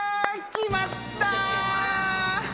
決まった！